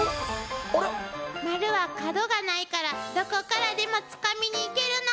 丸は角がないからどこからでもつかみにいけるの！